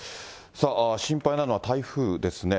さあ、心配なのは台風ですね。